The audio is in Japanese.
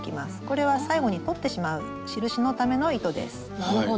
これは最後に取ってしまう印のための糸です。